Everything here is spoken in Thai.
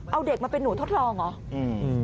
เอาเด็กมาเป็นหนูทดลองเหรอ